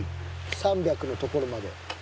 ３００のところまで。